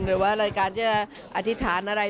หรือว่าอะไรการจะอธิษฐานอะไร